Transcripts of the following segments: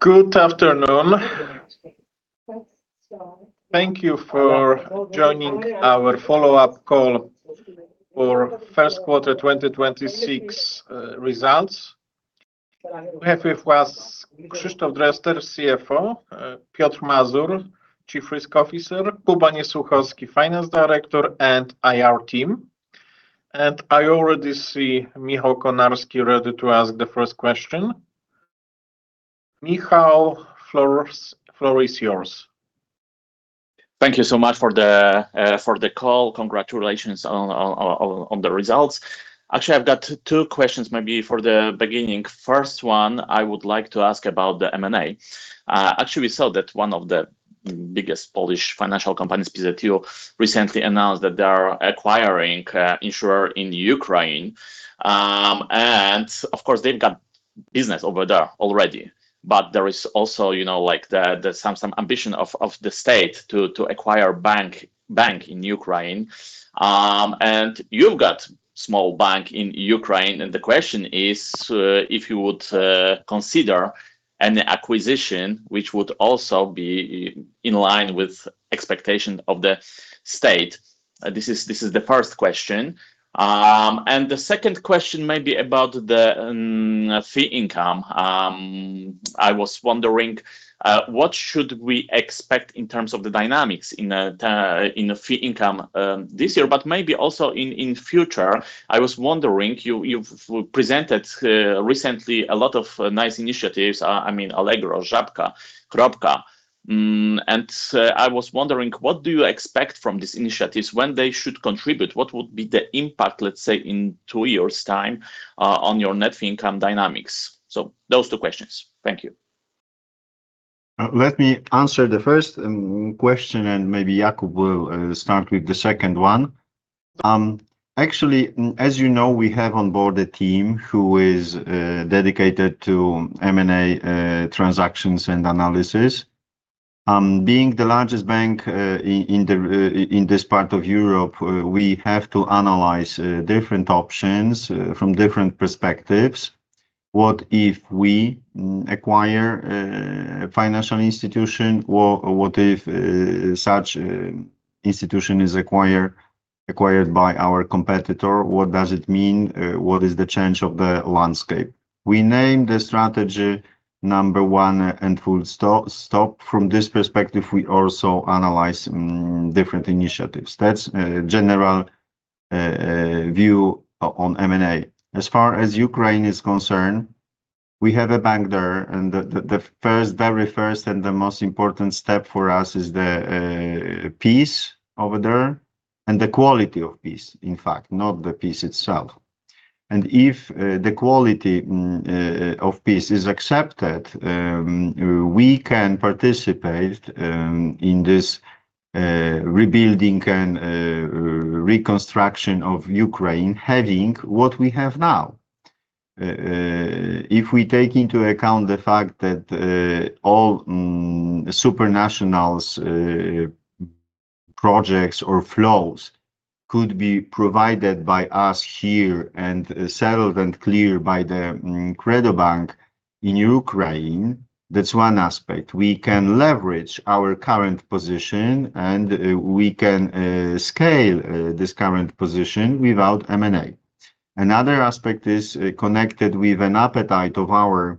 ``Good afternoon. Thank you for joining our follow-up call for first quarter 2026 results. We have with us Krzysztof Dresler, CFO, Piotr Mazur, Chief Risk Officer, Jakub Niesłuchowski, Finance Director, and IR team. I already see Michał Konarski ready to ask the first question. Michał, floor is yours. Thank you so much for the for the call. Congratulations on the results. Actually, I've got two questions maybe for the beginning. First one, I would like to ask about the M&A. Actually, we saw that one of the biggest Polish financial companies, PZU, recently announced that they are acquiring insurer in Ukraine. Of course, they've got business over there already. There is also, you know, like the some ambition of the state to acquire bank in Ukraine. You've got small bank in Ukraine, and the question is if you would consider an acquisition which would also be in line with expectation of the state and this is the first question. The second question may be about the fee income. I was wondering what should we expect in terms of the dynamics in the fee income this year, but maybe also in future. I was wondering, you've presented recently a lot of nice initiatives. I mean, Allegro, Żabka, Kropka. I was wondering, what do you expect from these initiatives? When they should contribute? What would be the impact, let's say, in two years' time on your net fee income dynamics? Those two questions. Thank you. Let me answer the first question, and maybe Jakub will start with the second one. Actually, as you know, we have on board a team who is dedicated to M&A transactions and analysis. Being the largest bank in this part of Europe, we have to analyze different options from different perspectives. What if we acquire a financial institution, or what if such institution is acquired by our competitor? What does it mean? What is the change of the landscape? We named the strategy number one and full stop. From this perspective, we also analyze different initiatives. That's a general view on M&A. As far as Ukraine is concerned, we have a bank there, the first and the most important step for us is the peace over there and the quality of peace, in fact, not the peace itself. If the quality of peace is accepted, we can participate in this rebuilding and reconstruction of Ukraine having what we have now. If we take into account the fact that all super nationals projects or flows could be provided by us here and settled and cleared by KredoBank in Ukraine, that's one aspect. We can leverage our current position, we can scale this current position without M&A. Another aspect is connected with an appetite of our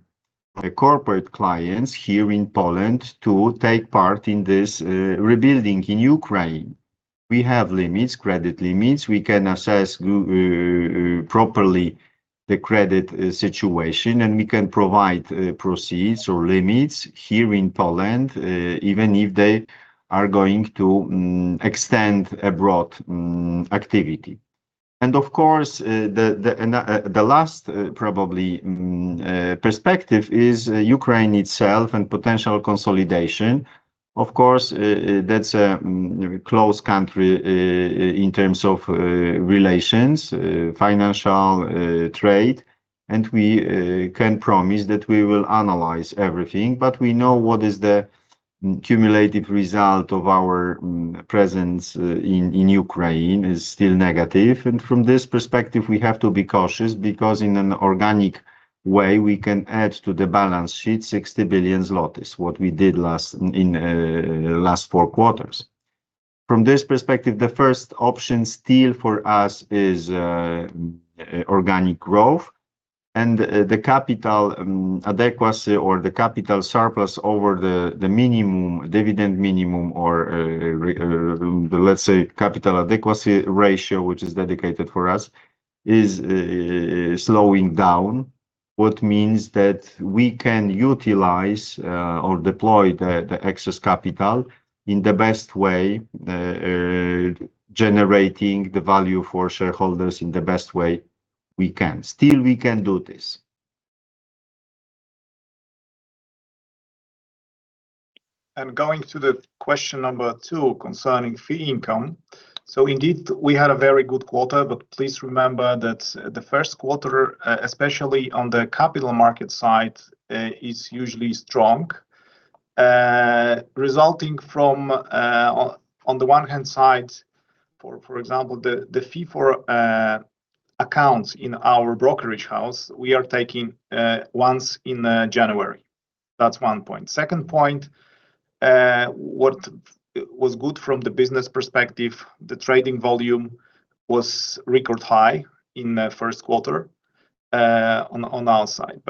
corporate clients here in Poland to take part in this rebuilding in Ukraine. We have limits, credit limits. We can assess properly the credit situation, and we can provide proceeds or limits here in Poland, even if they are going to extend abroad activity. Of course, the last probably perspective is Ukraine itself and potential consolidation. Of course, that's a close country in terms of relations, financial, trade, and we can promise that we will analyze everything but we know what is the cumulative result of our presence in Ukraine is still negative. From this perspective, we have to be cautious because in an organic way, we can add to the balance sheet 60 billion zlotys, what we did last in last four quarters. From this perspective, the first option still for us is organic growth, and the capital adequacy or the capital surplus over the minimum, dividend minimum or let's say capital adequacy ratio, which is dedicated for us, is slowing down, what means that we can utilize or deploy the excess capital in the best way generating the value for shareholders in the best way we can. Still we can do this. Going to the question number two concerning fee income. Indeed, we had a very good quarter, but please remember that the first quarter, especially on the capital market side, is usually strong. Resulting from on the one hand side, for example, the fee for accounts in our brokerage house, we are taking once in January. That's one point. Second point, what was good from the business perspective, the trading volume was record high in the first quarter on our side.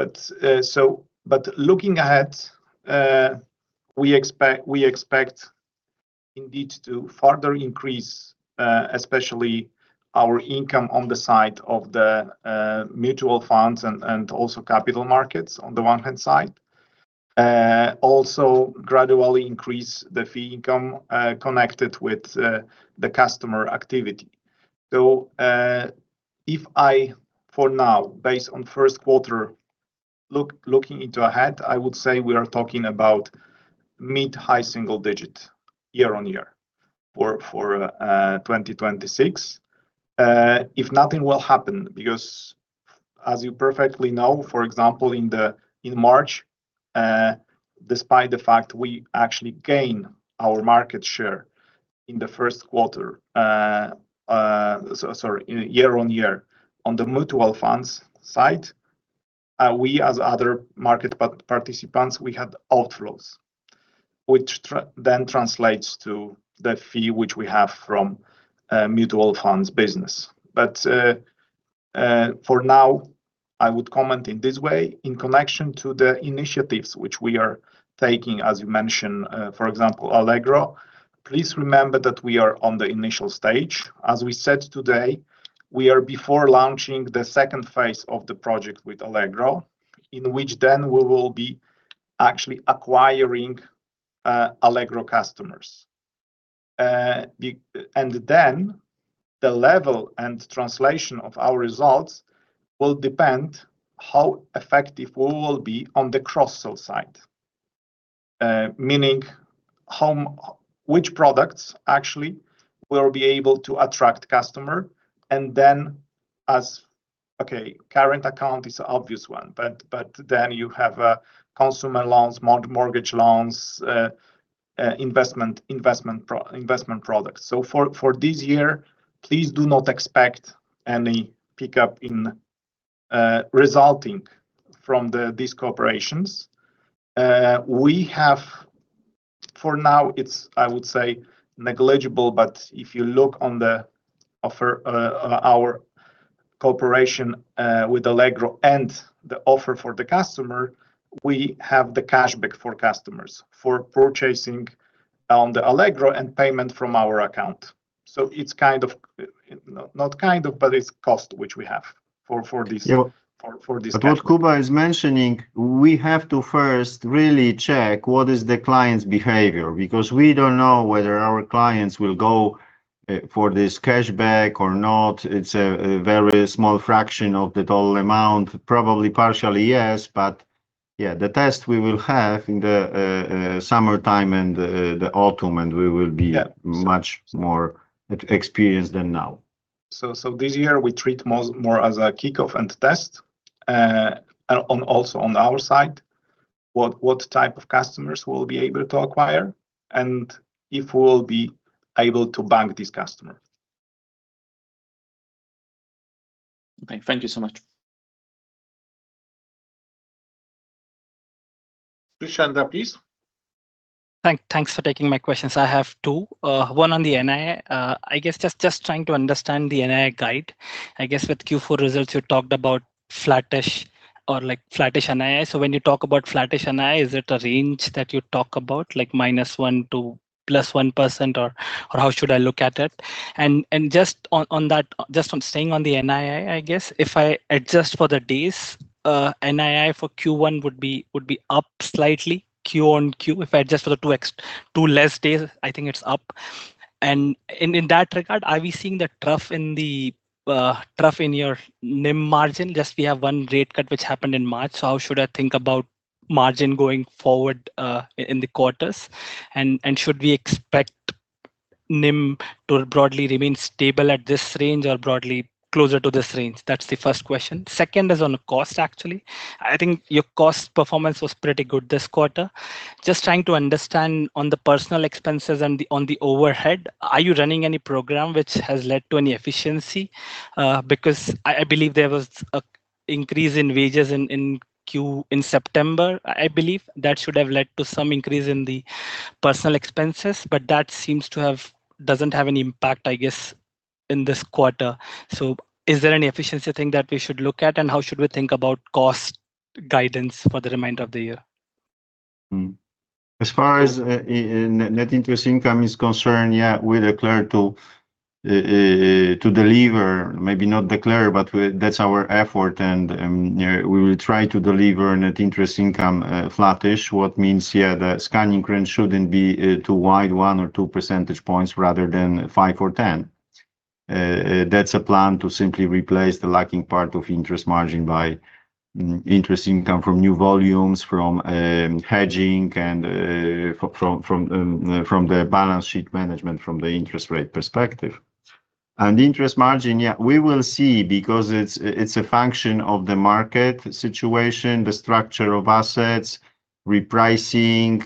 Looking ahead, we expect indeed to further increase especially our income on the side of the mutual funds and also capital markets on the one hand side. Also gradually increase the fee income connected with the customer activity. If I, for now, based on first quarter looking into ahead, I would say we are talking about mid-high single digit year-on-year for 2026. If nothing will happen because as you perfectly know, for example, in March, despite the fact we actually gain our market share in the first quarter, year-on-year. On the mutual funds side, we as other market participants, we had outflows, which then translates to the fee which we have from mutual funds business. For now, I would comment in this way, in connection to the initiatives which we are taking, as you mentioned, for example, Allegro, please remember that we are on the initial stage. As we said today, we are before launching the second phase of the project with Allegro, in which then we will be actually acquiring Allegro customers. The level and translation of our results will depend how effective we will be on the cross-sell side. Meaning how which products actually will be able to attract customer and then as, okay, current account is obvious one, but then you have consumer loans, mortgage loans, investment products. For this year, please do not expect any pickup in resulting from the these co-operations. We have for now it's, I would say, negligible, but if you look on the offer, our cooperation with Allegro and the offer for the customer, we have the cashback for customers for purchasing on the Allegro and payment from our account. It's kind of, not kind of, but it's cost which we have for this. Yeah. ...for this cash back. What Kuba is mentioning, we have to first really check what is the client's behavior because we don't know whether our clients will go for this cashback or not. It's a very small fraction of the total amount. Probably partially, yes. Yeah, the test we will have in the summertime and the autumn. Yeah. ...much more experienced than now. This year we treat more as a kickoff and test on also on our side, what type of customers we'll be able to acquire and if we will be able to bank this customer. Okay. Thank you so much. Krishnendra, please. Thanks for taking my questions. I have two. One on the NII. I guess just trying to understand the NII guide. I guess with Q4 results you talked about flattish or like flattish NII. When you talk about flattish NII, is it a range that you talk about, like -1% to +1%, or how should I look at it? Just on that, just on staying on the NII, I guess if I adjust for the days, NII for Q1 would be up slightly Q on Q. If I adjust for the 2 less days, I think it's up. In that regard, are we seeing the trough in the trough in your NIM margin? Just we have 1 rate cut which happened in March. How should I think about margin going forward in the quarters? Should we expect NIM to broadly remain stable at this range or broadly closer to this range? That's the first question. Second is on cost, actually. I think your cost performance was pretty good this quarter. Just trying to understand on the personal expenses and the overhead, are you running any program which has led to any efficiency because I believe there was a increase in wages in Q in September, I believe. That should have led to some increase in the personal expenses, that seems to have doesn't have any impact, I guess, in this quarter. Is there any efficiency thing that we should look at, how should we think about cost guidance for the remainder of the year? As far as net interest income is concerned, yeah, we declare to deliver, maybe not declare, but we that's our effort, and we will try to deliver net interest income flattish. What means, the scale increase shouldn't be too wide, 1 or 2 percentage points rather than 5 or 10. That's a plan to simply replace the lacking part of interest margin by interest income from new volumes, from hedging and from the balance sheet management from the interest rate perspective. Interest margin, we will see because it's a function of the market situation, the structure of assets, repricing,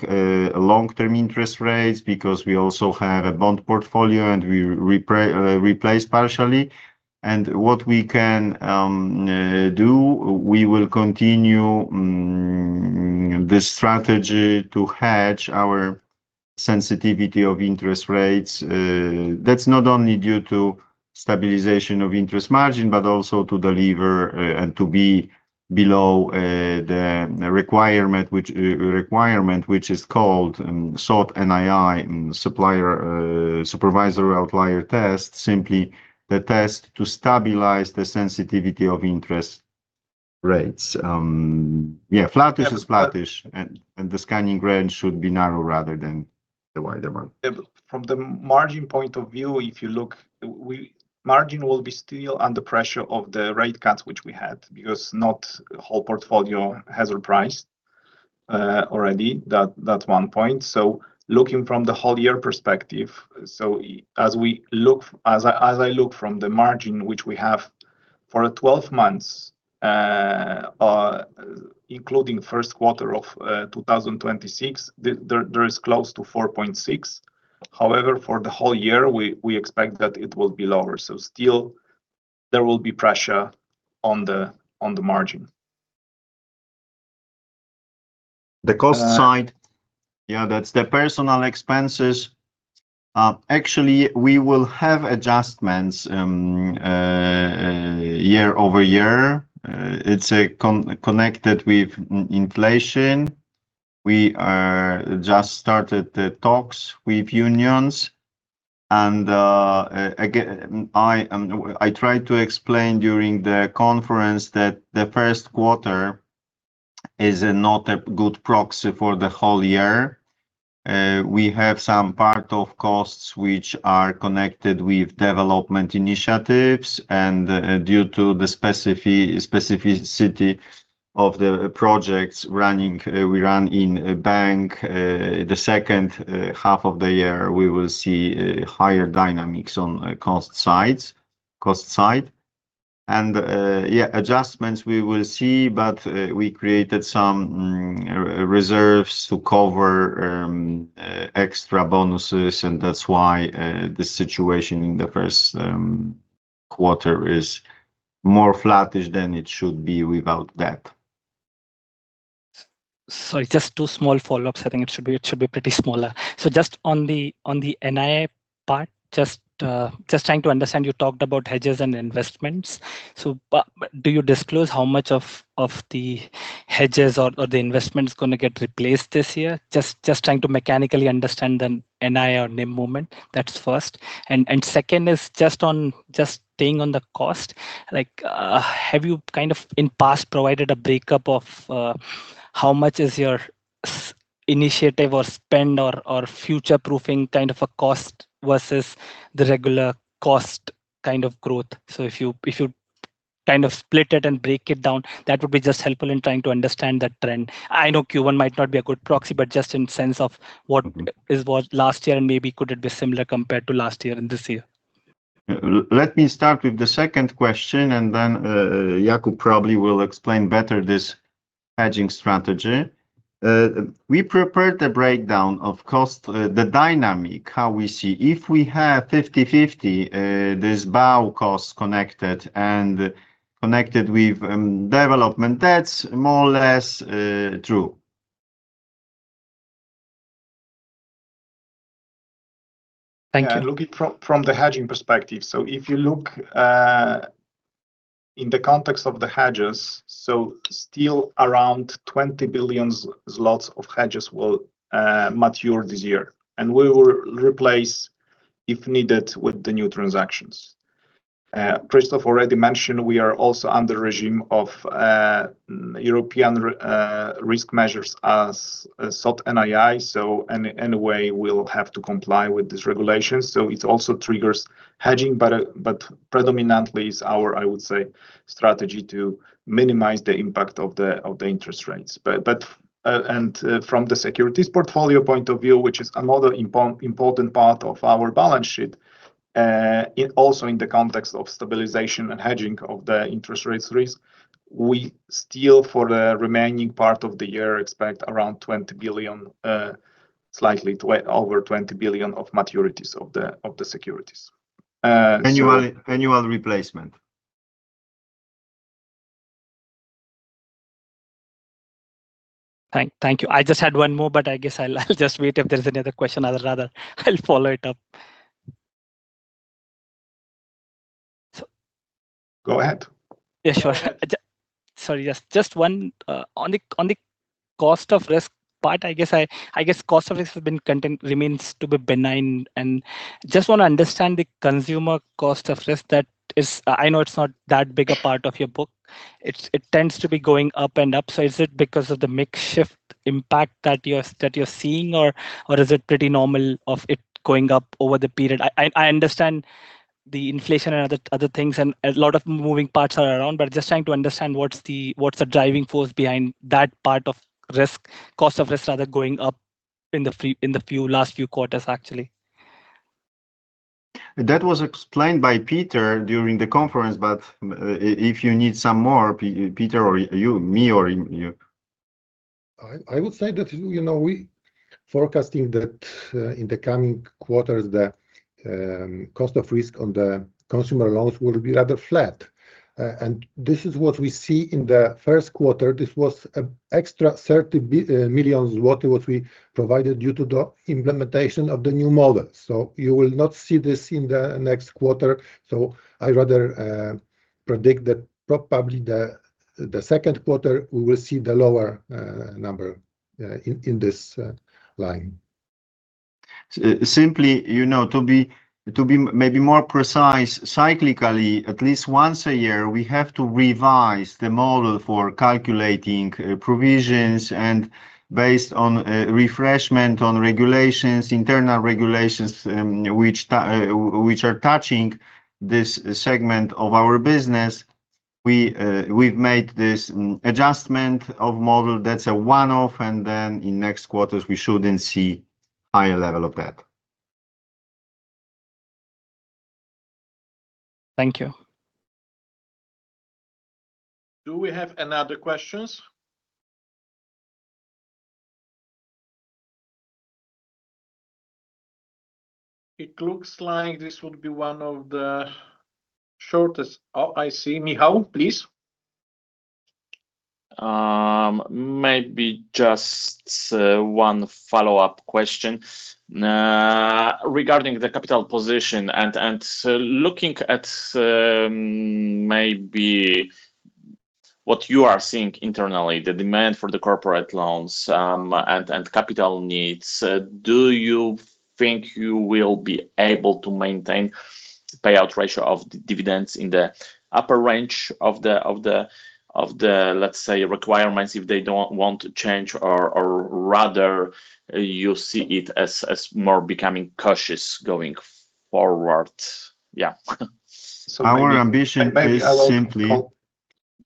long-term interest rates because we also have a bond portfolio and we replace partially. What we can do, we will continue this strategy to hedge our sensitivity of interest rates. That's not only due to stabilization of interest margin, but also to deliver and to be below the requirement which is called SOT NII, Supervisory Outlier Test. Simply the test to stabilize the sensitivity of interest rates. Yeah, flattish is flattish and the scanning range should be narrow rather than the wider one. From the margin point of view, if you look, we margin will be still under pressure of the rate cuts which we had, because not whole portfolio has repriced already. That's one point. Looking from the whole year perspective, as I look from the margin which we have for 12 months, including first quarter of 2026, there is close to 4.6. However, for the whole year we expect that it will be lower. Still there will be pressure on the margin. The cost side. Yeah, that's the personal expenses. Actually, we will have adjustments year-over-year. It's connected with inflation. We are just started the talks with unions again, I tried to explain during the conference that the first quarter is not a good proxy for the whole year. We have some part of costs which are connected with development initiatives due to the specificity of the projects running we run in bank. The second half of the year we will see higher dynamics on cost side. Yeah, adjustments we will see, but we created some reserves to cover extra bonuses. That's why the situation in the first quarter is more flattish than it should be without that. Sorry, just two small follow-ups. I think it should be pretty smaller. Just on the NII part, just trying to understand, you talked about hedges and investments. But do you disclose how much of the hedges or the investment's gonna get replaced this year? Just trying to mechanically understand the NII on the moment. That's first. Second is just staying on the cost. Like, have you kind of in past provided a breakup of how much is your initiative or spend or future-proofing kind of a cost versus the regular cost kind of growth? If you kind of split it and break it down, that would be just helpful in trying to understand that trend. I know Q1 might not be a good proxy, but just in sense of what is what last year and maybe could it be similar compared to last year and this year. Let me start with the second question and then Jakub probably will explain better this hedging strategy. We prepared a breakdown of cost, the dynamic, how we see. If we have 50-50, this BAU cost connected and connected with development, that's more or less true. Thank you. Yeah, looking from the hedging perspective. If you look in the context of the hedges, still around 20 billion zlotys of hedges will mature this year, and we will replace if needed with the new transactions. Krzysztof already mentioned we are also under regime of European risk measures as SOT NII. Any way we'll have to comply with this regulation, it also triggers hedging but predominantly it's our, I would say, strategy to minimize the impact of the interest rates. From the securities portfolio point of view, which is another important part of our balance sheet, in also in the context of stabilization and hedging of the interest rates risk, we still for the remaining part of the year expect around 20 billion, slightly over 20 billion of maturities of the securities. Annual replacement. Thank you. I just had one more, but I guess I'll just wait. If there's any other question, I'd rather I'll follow it up. Go ahead. Yeah, sure. Sorry, just one. On the cost of risk part, I guess cost of risk remains to be benign. Just want to understand the consumer cost of risk that is, I know it's not that big a part of your book. It tends to be going up and up. Is it because of the mix shift impact that you're seeing, or is it pretty normal of it going up over the period? I understand the inflation and other things and a lot of moving parts are around, just trying to understand what's the driving force behind that part of risk, cost of risk rather going up in the last few quarters, actually? That was explained by Piotr during the conference, but if you need some more, Piotr or you, me or him. I would say that, you know, we forecasting that in the coming quarters, the cost of risk on the consumer loans will be rather flat. This is what we see in the first quarter. This was extra 30 million zloty we provided due to the implementation of the new model. You will not see this in the next quarter. I rather predict that probably the second quarter we will see the lower number in this line. Simply, you know, to be maybe more precise, cyclically, at least once a year, we have to revise the model for calculating provisions and based on refreshment on regulations, internal regulations, which are touching this segment of our business. We've made this adjustment of model that's a one-off, and then in next quarters we shouldn't see higher level of that. Thank you. Do we have any other questions? It looks like this would be one of the shortest. Oh, I see Michał, please. Maybe just one follow-up question. Regarding the capital position and so looking at, maybe what you are seeing internally, the demand for the corporate loans, and capital needs, do you think you will be able to maintain payout ratio of the dividends in the upper range of the, let's say, requirements if they don't want to change, or rather you see it as more becoming cautious going forward? Yeah.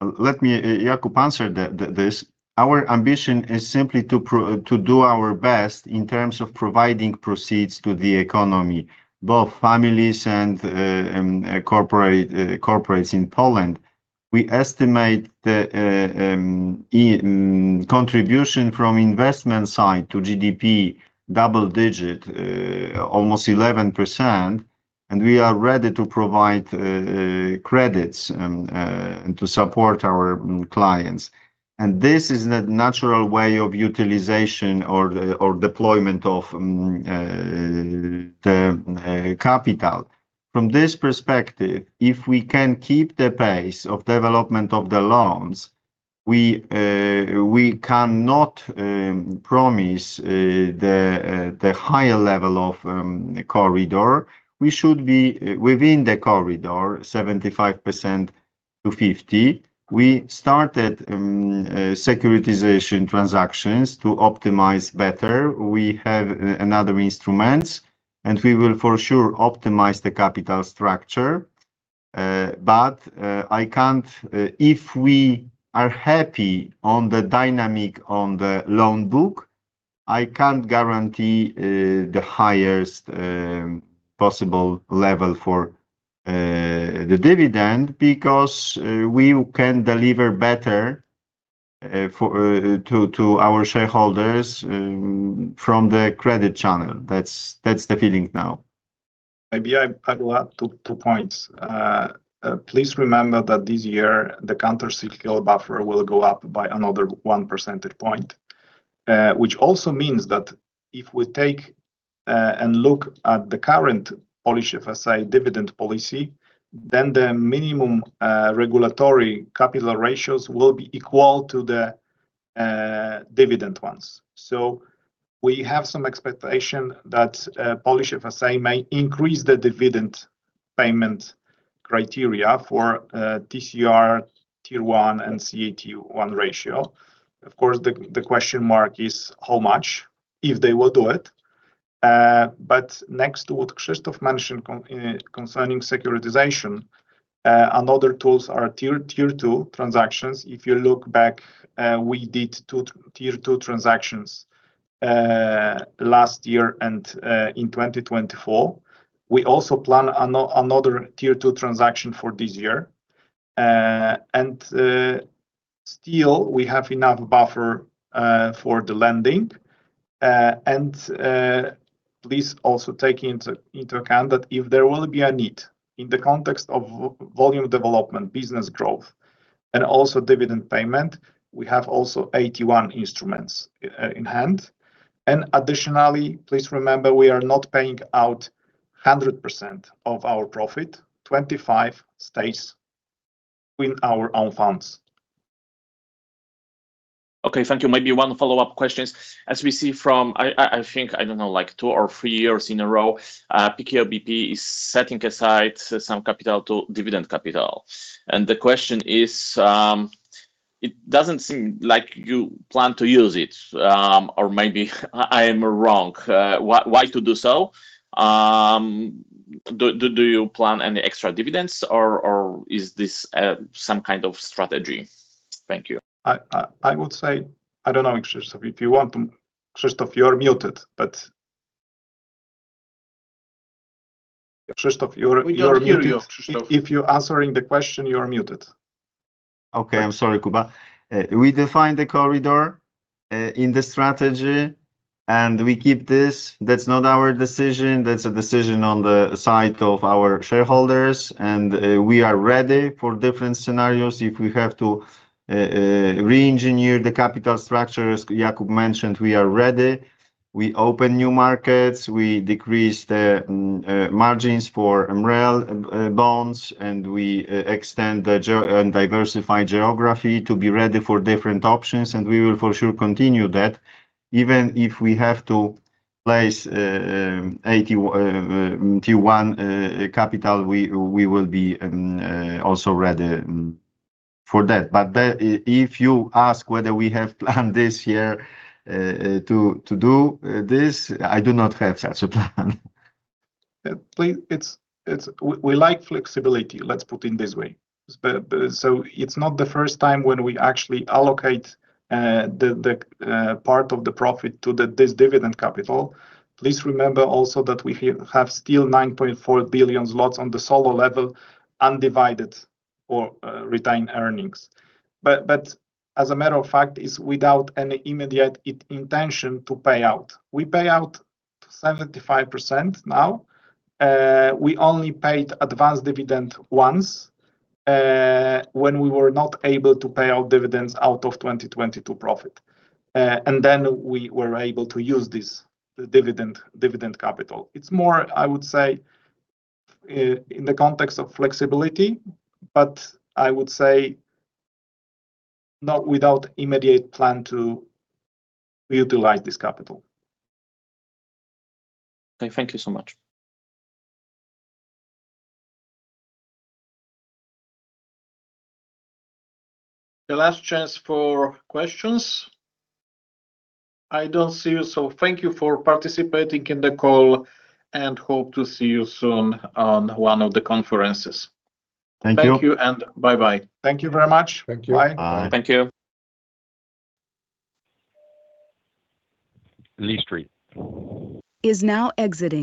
Jakub, answered this. Our ambition is simply to do our best in terms of providing proceeds to the economy, both families and corporates in Poland. We estimate the contribution from investment side to GDP double-digit, almost 11%, and we are ready to provide credits and to support our clients. This is the natural way of utilization or the, or deployment of the capital. From this perspective, if we can keep the pace of development of the loans, we cannot promise the higher level of corridor. We should be within the corridor, 75-50%. We started securitization transactions to optimize better. We have another instruments, and we will for sure optimize the capital structure. I can't, if we are happy on the dynamic on the loan book, I can't guarantee the highest possible level for the dividend because we can deliver better for to our shareholders from the credit channel. That's the feeling now. Maybe I will add two points. Please remember that this year the countercyclical buffer will go up by another 1 percentage point. Which also means that if we take and look at the current Polish FSA dividend policy, then the minimum regulatory capital ratios will be equal to the dividend ones. We have some expectation that Polish FSA may increase the dividend payment criteria for TCR Tier 1 and CET1 ratio. Of course, the question mark is how much, if they will do it. Next to what Krzysztof mentioned concerning securitization, another tools are Tier 2 transactions. If you look back, we did 2 Tier 2 transactions last year and in 2024. We also plan another Tier 2 transaction for this year. Still we have enough buffer for the lending. Please also take into account that if there will be a need in the context of volume development, business growth, and also dividend payment, we have also AT1 instruments in hand. Additionally, please remember we are not paying out 100% of our profit. 25% stays with our own funds. Okay. Thank you. Maybe one follow-up questions. As we see from, I think, I don't know, like two or three years in a row, PKO BP is setting aside some capital to dividend capital. The question is, it doesn't seem like you plan to use it, or maybe I am wrong. Why to do so? Do you plan any extra dividends or is this some kind of strategy? Thank you. I would say I don't know, Krzysztof, if you want Krzysztof, you are muted. Krzysztof, you're muted. We can't hear you, Krzysztof. If you're answering the question, you are muted. I'm sorry, Kuba. We define the corridor in the strategy and we keep this. That's not our decision, that's a decision on the side of our shareholders and we are ready for different scenarios. If we have to re-engineer the capital structure, as Jakub mentioned, we are ready. We open new markets, we decrease the margins for MREL bonds, and we extend the geo and diversify geography to be ready for different options, and we will for sure continue that. Even if we have to place AT1 Tier 1 capital, we will be also ready for that. If you ask whether we have planned this year to do this, I do not have such a plan. We like flexibility, let's put in this way. It's not the first time when we actually allocate part of the profit to this dividend capital. Please remember also that we have still 9.4 billion zlotys on the solo level undivided or retained earnings. As a matter of fact, it's without any immediate intention to pay out. We pay out 75% now. We only paid advanced dividend once when we were not able to pay out dividends out of 2022 profit. We were able to use this dividend capital. It's more, I would say, in the context of flexibility, I would say not without immediate plan to utilize this capital. Okay. Thank you so much. The last chance for questions. I don't see you, so thank you for participating in the call, and hope to see you soon on one of the conferences. Thank you. Thank you and bye-bye. Thank you very much. Thank you. Bye. Bye. Thank you.